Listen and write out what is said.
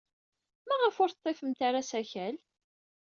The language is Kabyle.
Maɣef ur teḍḍifemt ara asakal?